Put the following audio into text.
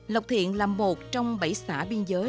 lộc thiện là một trong bảy xã biên giới